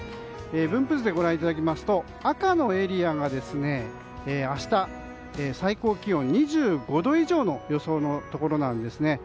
分布図でご覧いただきますと赤のエリアが明日、最高気温２５度以上の予想のところなんですね。